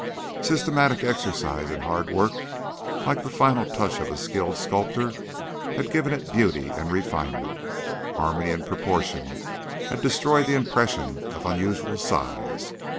Systematic exercise and hard work, like the final touch of a skilled sculptor, had given it beauty and refinement; harmony and proportion had destroyed the impression of unusual size.